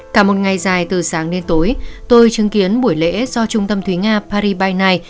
cả một ngày dài từ sáng đến tối tôi chứng kiến buổi lễ do trung tâm thúy nga paris binaigh